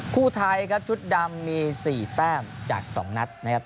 คู่ไทยครับชุดดำมี๔แต้มจาก๒นัดนะครับ